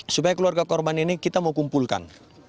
supaya keluarga korban ini kita mau kumpulkan